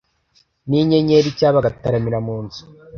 n'inyenyeri, cyangwa bagataramira mu nzu